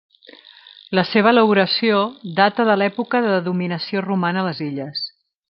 La seva elaboració data de l'època de dominació romana a les illes.